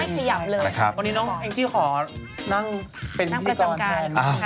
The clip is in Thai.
วันนี้น้องเอ็งซี่ขอนั่งเป็นพี่กรรมแทน